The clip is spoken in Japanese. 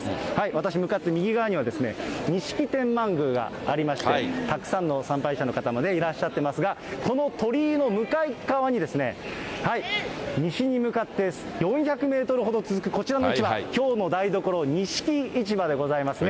私、向かって右側には、錦天満宮がありまして、たくさんの参拝者の方もね、いらっしゃってますが、この鳥居の向かいっ側に、西に向かって４００メートルほど続くこちらの市場、きょうの台所、錦市場でございますね。